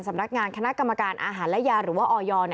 สำนักงานคณะกรรมการอาหารและยาหรือว่าออย